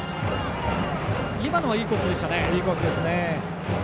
今のはいいコースでしたね。